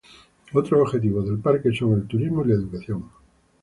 Otros objetivos del parque son el turismo y la educación.